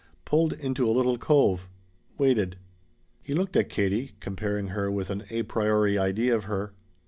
Pulled into a little cove. Waited." He looked at Katie, comparing her with an a priori idea of her.